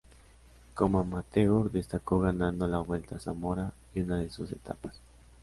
Como amateur destacó ganando la Vuelta a Zamora y una de sus etapas.